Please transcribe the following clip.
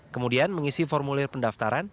kemudian mengisi formulir pendaftaran